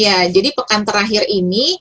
ya jadi pekan terakhir ini